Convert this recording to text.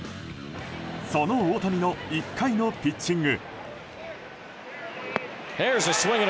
その大谷の１回のピッチング。